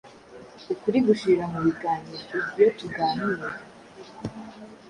Ukuri gushirira mu biganiro, ubwio tuganire.